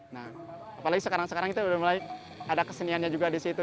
nah apalagi sekarang sekarang kita udah mulai ada keseniannya juga di situ